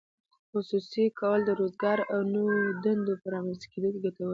خصوصي کول د روزګار او نوو دندو په رامینځته کیدو کې ګټور دي.